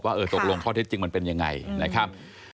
เออตกลงข้อเท็จจริงมันเป็นยังไงนะครับ